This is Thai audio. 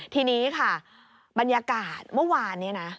ทีนี้ค่ะบรรยากาศเมื่อวานนี้นะ